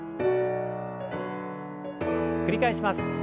繰り返します。